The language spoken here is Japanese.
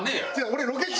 俺ロケ中。